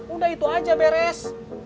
udah itu aja beres